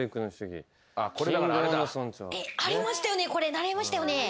習いましたよね？